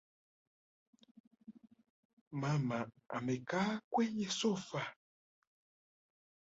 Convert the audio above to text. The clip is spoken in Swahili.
Mama amekaa kwenye sofa